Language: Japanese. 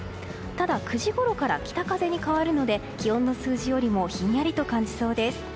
ただ、９時ごろから北風に変わるので気温の数字よりもひんやりと感じそうです。